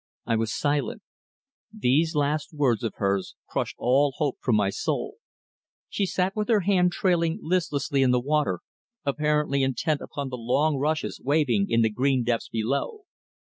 I was silent. These last words of hers crushed all hope from my soul. She sat with her hand trailing listlessly in the water, apparently intent upon the long rushes waving in the green depths below.